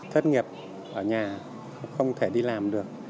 thất nghiệp ở nhà không thể đi làm được